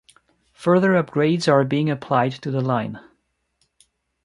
Further upgrades are being applied to the line.